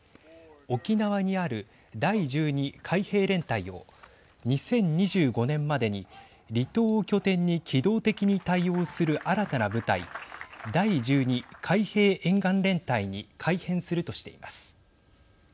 沖縄にある第１２海兵連隊を２０２５年までに離島を拠点に機動的に対応する新たな部隊第１２海兵沿岸連隊に改編するとしています。